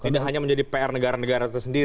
tidak hanya menjadi pr negara negara tersendiri